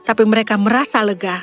tapi mereka merasa lega